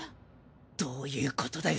どういうことだよ